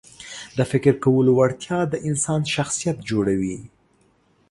د فکر کولو وړتیا د انسان شخصیت جوړوي.